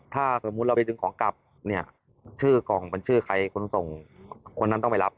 ถ้าสมมุติเราไปดึงของกลับเนี่ยชื่อกล่องมันชื่อใครคนส่งคนนั้นต้องไปรับ